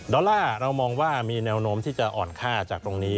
อลลาร์เรามองว่ามีแนวโน้มที่จะอ่อนค่าจากตรงนี้